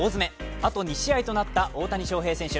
あと２試合となった大谷翔平選手。